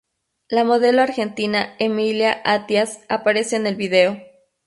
La modelo argentina Emilia Attias aparece en el vídeo.